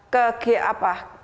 ke g apa